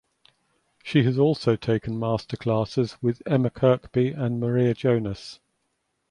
She has also taken master classes with Emma Kirkby and Maria Jonas.